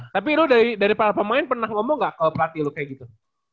tapi lo dari para pemain pernah ngomong gak ke pelatih lo kayak gitu